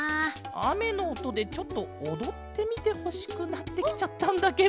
あめのおとでちょっとおどってみてほしくなってきちゃったんだケロ。